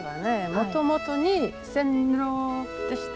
もともとに線路でした。